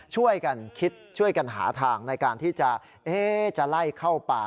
ช่วยกันคิดช่วยกันหาทางในการที่จะไล่เข้าป่า